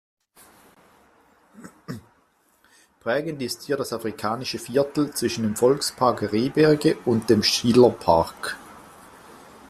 Prägend ist hier das Afrikanische Viertel zwischen dem Volkspark Rehberge und dem Schillerpark.